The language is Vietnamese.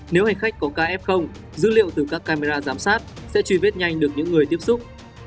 nếu hành khách có kf dữ liệu từ các camera giám sát sẽ truy vết nhanh được những người tiếp xúc